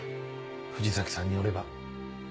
藤崎さんによれば。